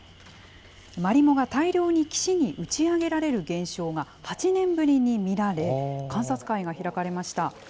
マリモが大量に岸に打ち上げられる現象が８年ぶりに見られ、観察会が開かれました。